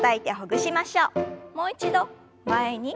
もう一度前に。